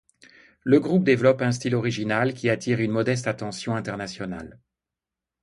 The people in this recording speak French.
Le groupe développe un style original qui attire une modeste attention internationale.